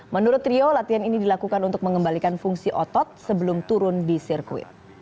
menurut rio latihan ini dilakukan untuk mengembalikan fungsi otot sebelum turun di sirkuit